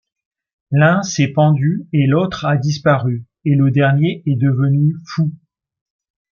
L'un s'est pendu, l'autre a disparu, et le dernier est devenu fou...